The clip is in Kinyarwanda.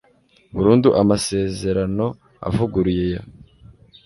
burundu amasezerano avuguruye ya